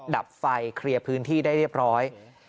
ดับไฟเคลียร์พื้นที่ได้เรียบร้อย